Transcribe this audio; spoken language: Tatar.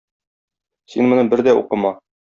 Син моны бер дә укыма.